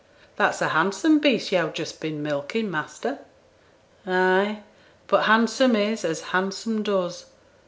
'That's a handsome beast yo've just been milking, master.' 'Ay; but handsome is as handsome does.